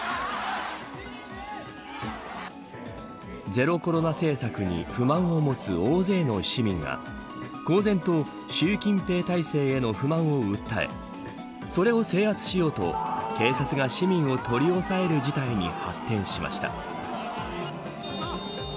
ゼロコロナ政策に不満を持つ大勢の市民が公然と習近平体制への不満を訴えそれを制圧しようと警察が市民を取り押さえる事態に発展しました。